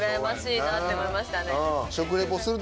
なって思いましたね。